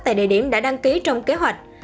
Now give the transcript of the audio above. tại địa điểm đã đăng ký trong kế hoạch